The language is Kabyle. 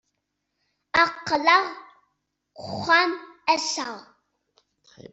Aql-aɣ deg uxxam ass-a.